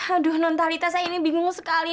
aduh nontalita saya ini bingung sekali